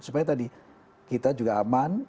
supaya tadi kita juga aman